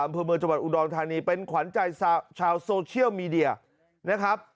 อำเภอเมืองจังหวัดอุดรธานีเป็นขวัญใจชาวโซเชียลมีเดียนะครับ